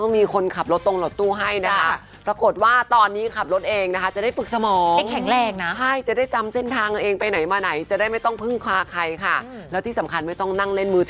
เมื่อก่อน๗๐ปีนะ